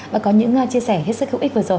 và có những chia sẻ hết sức hữu ích vừa rồi